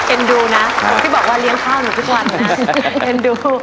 ดูนะที่บอกว่าเลี้ยงข้าวหนูทุกวันนะเอ็นดู